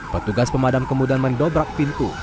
petugas pemadam kemudian mendobrak pintu